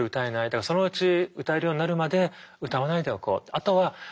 だからそのうち歌えるようになるまで歌わないでおこう。